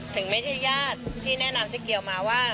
ถึงไม่ใช่ญาติที่แนะนำเจ๊เกียวมาว่า